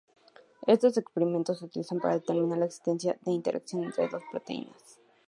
Estos experimentos se utilizan para determinar la existencia de interacción entre dos proteínas.